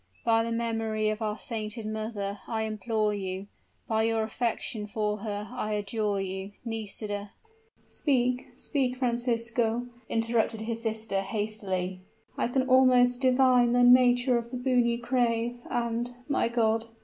By the memory of our sainted mother I implore you, by your affection for her I adjure you, Nisida " "Speak, speak, Francisco," interrupted his sister, hastily: "I can almost divine the nature of the boon you crave and my God!"